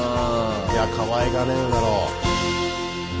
いやかわいがられるだろう。